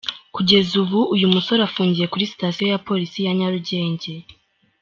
Kugeza ubu uyu musore afungiye kuri sitasiyo ya Polisi ya Nyarugenge.